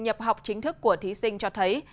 nhập học chính thức của thí sinh cho thấy